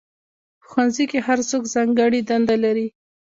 په ښوونځي کې هر څوک ځانګړې دندې لري.